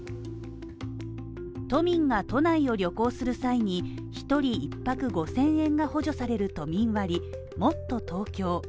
都民が都内を旅行する際に、１人１泊５０００円が補助される都民割、もっとＴｏｋｙｏ。